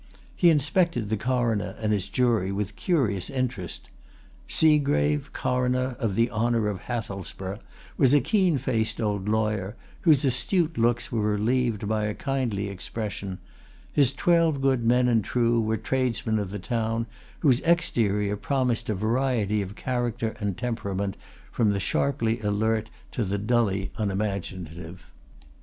He inspected the Coroner and his jury with curious interest Seagrave, Coroner of the Honour of Hathelsborough, was a keen faced old lawyer, whose astute looks were relieved by a kindly expression; his twelve good men and true were tradesmen of the town, whose exterior promised a variety of character and temperament, from the sharply alert to the dully unimaginative.